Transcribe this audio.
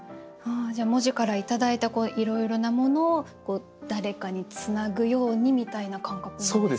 じゃあ文字からいただいたいろいろなものを誰かにつなぐようにみたいな感覚なんですか？